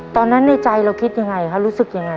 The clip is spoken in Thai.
ในใจเราคิดยังไงคะรู้สึกยังไง